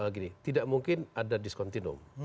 gini tidak mungkin ada diskontinum